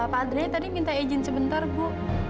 pak andre tadi minta izin sebentar bu